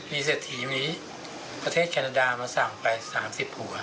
มีเศรษฐีมีประเทศแคนาดามาสั่งไป๓๐หัว